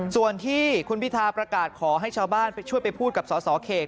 ส่วนที่คุณพิทาประกาศขอให้ชาวบ้านไปช่วยไปพูดกับสสเขต